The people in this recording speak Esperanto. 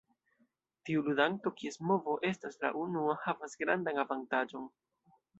Tiu ludanto, kies movo estas la unua, havas grandan avantaĝon.